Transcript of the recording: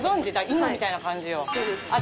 今みたいな感じよ。